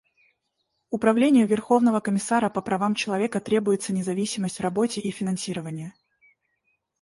Управлению Верховного комиссара по правам человека требуется независимость в работе и финансирование.